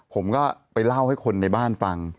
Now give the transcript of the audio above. ผมก็ไปเล่าให้คนในบ้านฟัง